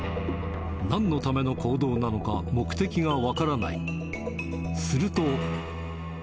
なんのための行動なのか、目的が分からない。